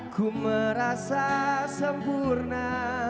ku merasa sempurna